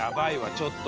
ちょっと。